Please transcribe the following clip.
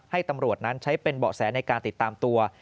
ให้ตำรวจนั้นใช้เป็นเบาะแสในการติดตามตัว